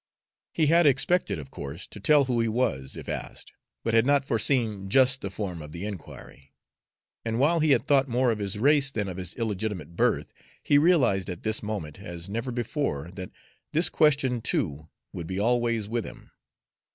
He had expected, of course, to tell who he was, if asked, but had not foreseen just the form of the inquiry; and while he had thought more of his race than of his illegitimate birth, he realized at this moment as never before that this question too would be always with him.